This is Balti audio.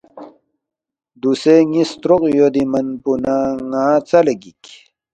دوسے ن٘ی ستروق یودے من پو نہ ن٘ا ژَلے گِک